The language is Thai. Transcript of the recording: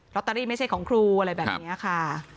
ตเตอรี่ไม่ใช่ของครูอะไรแบบนี้ค่ะ